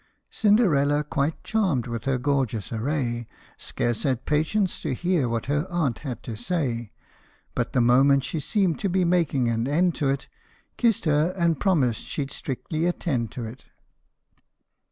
Cinderella, quite charmed with her gorgeous array, Scarce had patience to hear what her aunt had to say, But the moment she seemed to be making an end to it, Kissed her, and promised she 'd strictly attend to it